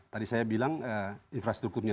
tadi saya bilang infrastrukturnya